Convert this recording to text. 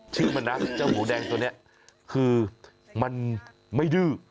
ชื่อมันนะเจ้าหมูแดงตัวนี้คือมันไม่ดื้อ